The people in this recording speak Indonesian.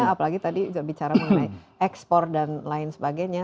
apalagi tadi bicara mengenai ekspor dan lain sebagainya